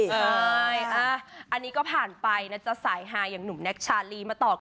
ใช่อันนี้ก็ผ่านไปนะจ๊ะสายฮาอย่างหนุ่มแน็กชาลีมาตอบ